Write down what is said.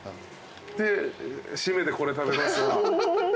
で締めでこれ食べますわ。